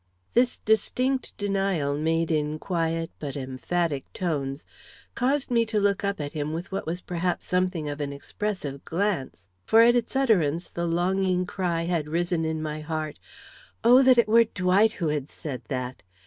This distinct denial, made in quiet but emphatic tones, caused me to look up at him with what was perhaps something of an expressive glance. For at its utterance the longing cry had risen in my heart, "Oh, that it were Dwight who had said that!"